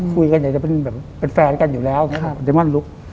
คุยกันเดี๋ยวเป็นแฟนกันอยู่แล้วเดมอนลุก